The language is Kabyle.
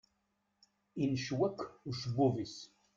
Incew akk ucebbub-is.